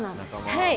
はい。